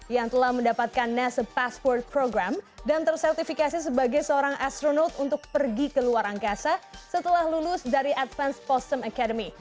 yang telah mendapatkan nas a password program dan tersertifikasi sebagai seorang astronot untuk pergi ke luar angkasa setelah lulus dari advance postum academy